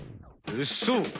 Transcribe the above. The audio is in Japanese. そう！